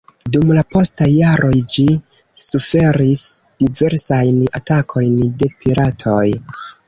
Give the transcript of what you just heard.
Dum la postaj jaroj ĝi suferis diversajn atakojn de piratoj.